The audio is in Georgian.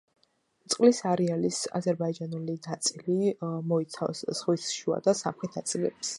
წყლის არეალის აზერბაიჯანული ნაწილი მოიცავს ზღვის შუა და სამხრეთ ნაწილებს.